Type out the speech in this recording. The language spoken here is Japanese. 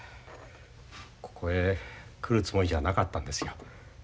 ここへ来るつもりじゃなかったんですよ。